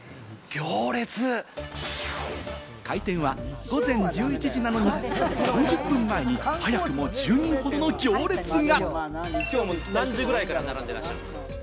開店は午前１１時なのに、３０分前に早くも１０人ほどの行列が。